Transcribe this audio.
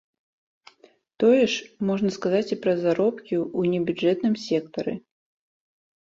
Тое ж можна сказаць і пра заробкі ў небюджэтным сектары.